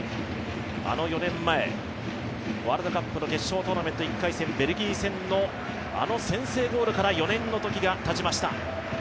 あの４年前、ワールドカップの決勝トーナメント１回戦ベルギー戦のあの先制ゴールから４年の時がたちました。